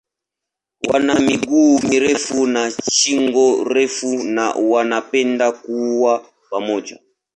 Wana miguu mirefu na shingo refu na wanapenda kuwa pamoja.